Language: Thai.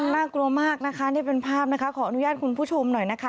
น่ากลัวมากนะคะนี่เป็นภาพนะคะขออนุญาตคุณผู้ชมหน่อยนะคะ